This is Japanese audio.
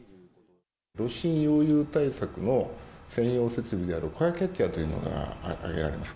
炉心溶融対策の専用設備であるコアキャッチャというのが挙げられます。